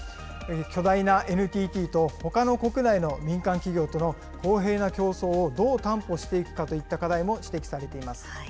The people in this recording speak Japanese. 巨大なＮＴＴと、ほかの国内の民間企業との公平な競争を、どう担保していくかといった課題も指摘されています。